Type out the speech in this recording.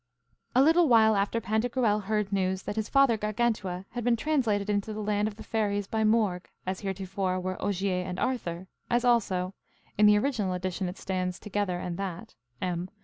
A little while after Pantagruel heard news that his father Gargantua had been translated into the land of the fairies by Morgue, as heretofore were Ogier and Arthur; as also, (In the original edition it stands 'together, and that.' M.)